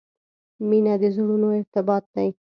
• مینه د زړونو ارتباط دی.